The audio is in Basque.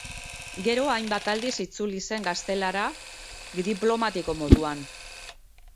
Gero hainbat aldiz itzuli zen Gaztelara diplomatiko moduan.